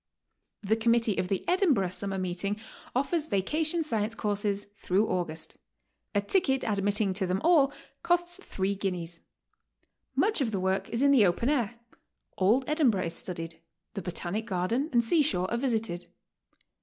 The committee of the Edinburgh Summer Meeting offers Vacation Science Courses through August. A ticket admit ting to them all costs three guineas. Much of the work is in the open air; old Edinburgh is studied; the Botanic Gar den and seashore are visited.